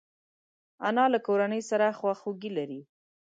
انا له کورنۍ سره خواخوږي لري